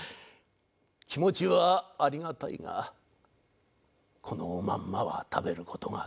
気持ちはありがたいがこのおまんまは食べる事ができん。